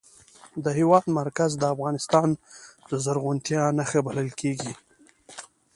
د هېواد مرکز د افغانستان د زرغونتیا نښه بلل کېږي.